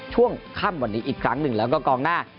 ช่วงค่ำวันนี้อีกครั้งหนึ่งแล้วก็กองหน้า